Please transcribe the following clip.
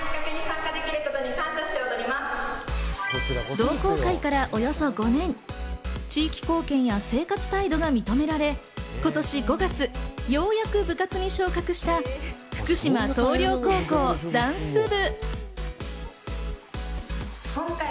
同好会からおよそ５年、地域貢献や生活態度が認められ、今年５月ようやく部活に昇格した福島東稜高校ダンス部。